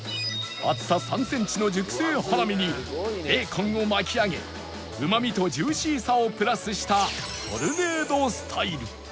厚さ３センチの熟成ハラミにベーコンを巻き上げうまみとジューシーさをプラスしたトルネードスタイル